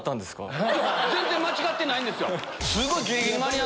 全然間違ってないんですよ。